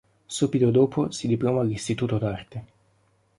Subito dopo si diploma all’Istituto d’Arte.